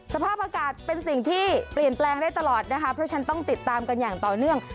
สภาพอากาศเป็นสิ่งที่เปลี่ยนแปลงได้ตลอดนะคะเพราะฉะนั้นต้องติดตามกันอย่างต่อเนื่อง